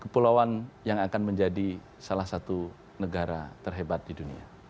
kepulauan yang akan menjadi salah satu negara terhebat di dunia